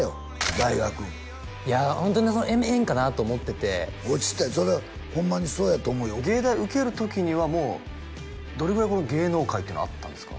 大学いやホントに縁かなと思ってて落ちてそれはホンマにそうやと思うよ藝大受ける時にはもうどれぐらい芸能界ってのはあったんですか？